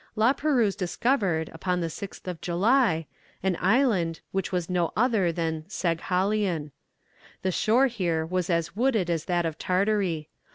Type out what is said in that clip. La Perouse discovered, upon the 6th of July, an island, which was no other than Saghalien. The shore here was as wooded as that of Tartary.